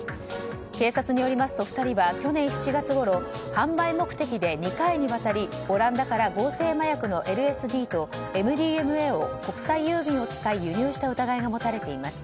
警察によりますと２人は去年７月ごろ販売目的で２回にわたりオランダから合成麻薬のＬＳＤとＭＤＭＡを国際郵便を使い輸入した疑いが持たれています。